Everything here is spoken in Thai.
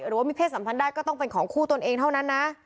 หรือว่ามีเพศสัมพันธ์ได้ก็ต้องเป็นของคู่ตนเองเท่านั้นนะ